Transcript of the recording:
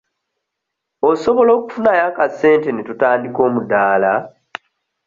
Osobola okufunayo akasente ne tutandika omudaala?